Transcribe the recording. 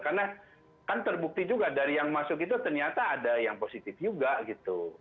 karena kan terbukti juga dari yang masuk itu ternyata ada yang positif juga gitu